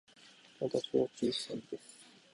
私は小さいです。